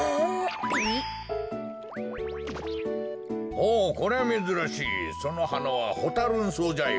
ほうこりゃめずらしいそのはなはホタ・ルン草じゃよ。